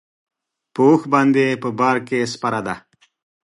پر اوښ باندې په بار کې سپره ده.